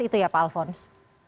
itu ya pak alfons